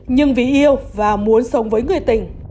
nhưng vì yêu và muốn sống với người tình